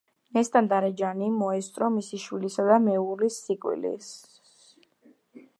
ნესტან-დარეჯანი მოესწრო მისი შვილისა და მეუღლის სიკვდილს.